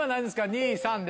２３で。